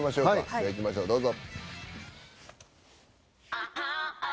じゃあいきましょうどうぞ。